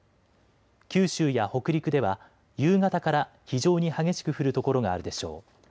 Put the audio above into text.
九州や北陸では夕方から非常に激しく降る所があるでしょう。